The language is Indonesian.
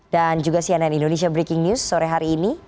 dan juga cnn indonesia breaking news sore hari ini